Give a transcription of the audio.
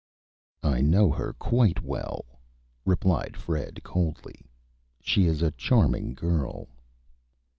"I know her Quite Well," replied Fred, coldly. "She is a Charming Girl."